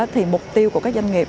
thì mục tiêu của các doanh nghiệp